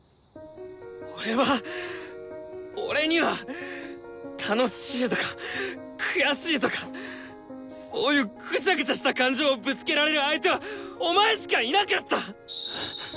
俺は俺には楽しいとか悔しいとかそういうぐちゃぐちゃした感情をぶつけられる相手はお前しかいなかった！